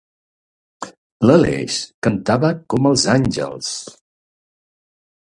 L'Aleix cantava com els àngels.